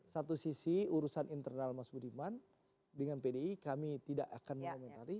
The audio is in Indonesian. satu sisi urusan internal mas budiman dengan pdi kami tidak akan mengomentari